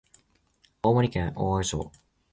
青森県大鰐町